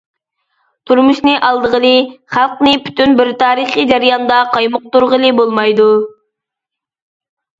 تۇرمۇشنى ئالدىغىلى، خەلقنى پۈتۈن بىر تارىخى جەرياندا قايمۇقتۇرغىلى بولمايدۇ.